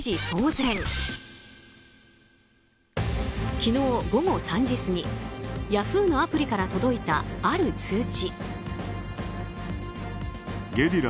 昨日午後３時過ぎヤフーのアプリから届いたある通知。